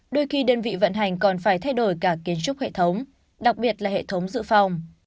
đôi khi đơn vị vận hành còn phải thay đổi cả kiến trúc hệ thống đặc biệt là hệ thống dự phòng